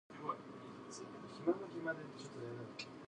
George finishes telling the story about Nina and Annie's pregnancy.